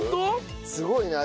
すごいな。